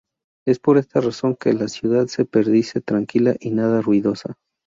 Es por esta razón que la ciudad se percibe tranquila y nada ruidosa.